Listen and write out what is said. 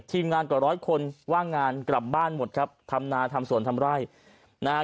ทีมงานกว่าร้อยคนว่างงานกลับบ้านหมดครับทำนาทำสวนทำไร่นะฮะ